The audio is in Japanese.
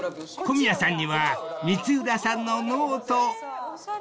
［小宮さんには光浦さんのノート］